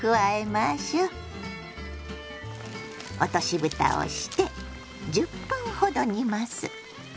落としぶたをして１０分ほど煮ます。